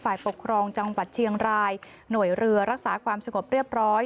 ฝ่ายปกครองจังหวัดเชียงรายหน่วยเรือรักษาความสงบเรียบร้อย